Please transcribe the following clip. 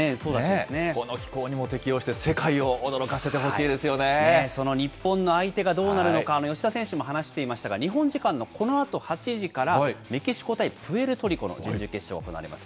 この気候にも適応して、世界その日本の相手がどうなるのか、吉田選手も話していましたが、日本時間のこのあと８時から、メキシコ対プエルトリコの準々決勝行われます。